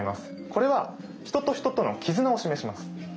これは人と人との絆を示します。